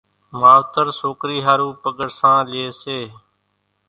ماوتر سوڪرِي ۿارُو پڳرسان لئي سي،